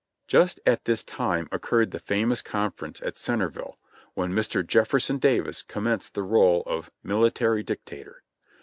Just at this time occurred the famous conference at Centerville, when Mr. Jefferson Davis commenced the role of "Military Dic tator."